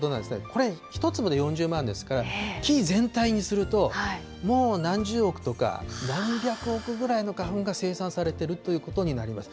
これ、１粒で４０万ですから、木全体にすると、もう何十億とか何百億ぐらいの花粉が生産されてるということになります。